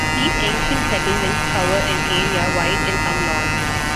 These ancient settlements cover an area wide and some long.